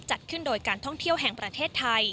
จัดขึ้นโดยการท่องเที่ยวแห่งประเทศไทย